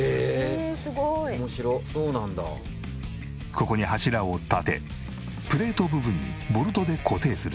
ここに柱を立てプレート部分にボルトで固定する。